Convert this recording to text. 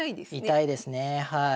痛いですね。